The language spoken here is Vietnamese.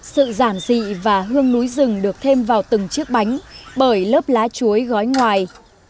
sự giản dị và hương núi rừng được thêm vào từng chiếc bánh bởi lớp lá chuối gói ngoài